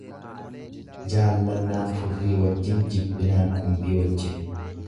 Jaallannaan furrii wajjin, jibbinaan qumbii wajjin.